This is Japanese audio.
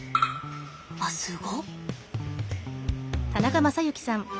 あっすご。